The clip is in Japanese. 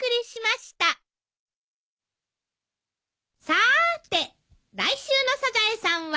さーて来週の『サザエさん』は？